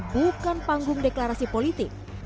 bukan panggung deklarasi politik